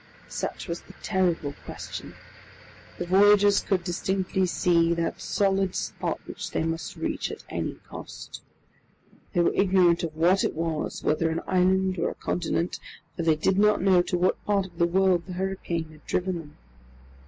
Such was the terrible question! The voyagers could distinctly see that solid spot which they must reach at any cost. They were ignorant of what it was, whether an island or a continent, for they did not know to what part of the world the hurricane had driven them.